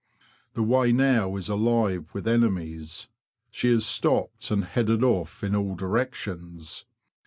The way now is alive with enemies, She is stopped and headed off in all directions.